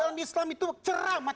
dalam islam itu ceramah